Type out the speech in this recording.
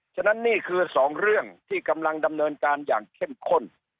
ฉะนั้นนี่คือสองเรื่องที่กำลังดำเนินการอย่างเข้มข้น